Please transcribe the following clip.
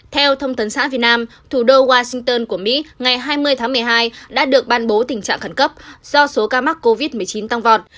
theo thông tấn xã việt nam thủ đô washington của mỹ ngày hai mươi tháng một mươi hai đã được ban bố tình trạng khẩn cấp do số ca mắc covid một mươi chín tăng vọt